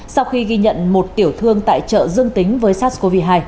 sau khi ghi nhận một tiểu thương tại chợ dương tính với sars cov hai